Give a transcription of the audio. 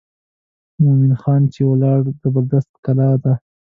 مومن خان چې ولاړ د زبردست کلا ته.